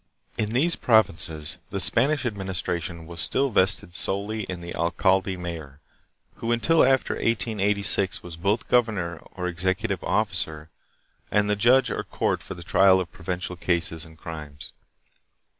In these provinces the Spanish administration was still vested solely in the alcalde mayor, who until after 1886 was both governor or executive officer and the judge or court for the trial of provincial cases and crimes.